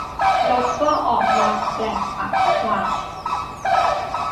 รสก็ออกมาแปลกประหลาด